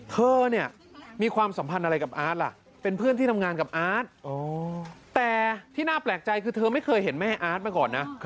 เธอเนี่ยมีความสัมพันธ์อะไรกับอาร์ตล่ะเป็นเพื่อนที่ทำงานกับอาร์ตแต่ที่น่าแปลกใจคือเธอไม่เคยเห็นแม่อาร์ตมาก่อนนะ